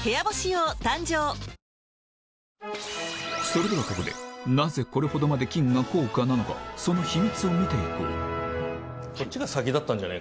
それではここでなぜこれほどまで金が高価なのかその秘密を見て行こう